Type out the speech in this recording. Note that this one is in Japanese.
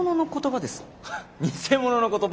ハッ偽物の言葉？